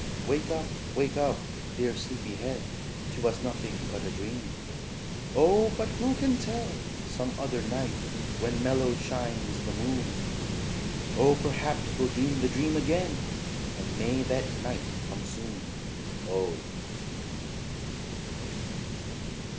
Wake up, wake up, dear Sleepy Head, 'Twas nothing but a dream, oh. But who can tell? Some other night When mellow shines the moon, oh, Perhaps we'll dream the dream again And may that night come soon, oh!